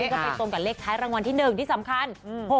ซึ่งตรงกับเลขท้ายรางวัลที่หนึ่งที่สำคัญ